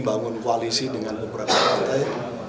bangun koalisi dengan pembangunan partai